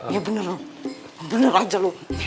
ya bener loh bener bener aja loh